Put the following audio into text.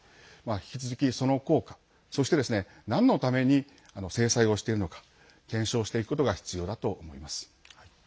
引き続き、その効果そして、なんのために制裁をしているのか検証していくことが必要だと思います。